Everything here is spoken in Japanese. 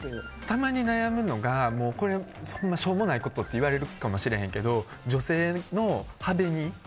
たまに悩むのがしょうもないことって言われるかもしれへんけど女性の歯紅。